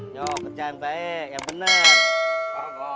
ayo kerjaan baik ya bener